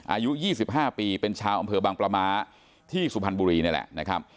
อายุ๒๕ปีเป็นชาวอำเภอบางประม้าที่สุพรรณบุรีนี่แหละนะครับ